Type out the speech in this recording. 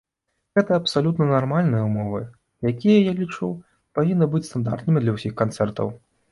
Гэта абсалютна нармальныя ўмовы, якія, я лічу, павінны быць стандартнымі для ўсіх канцэртаў.